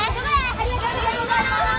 ありがとうございます。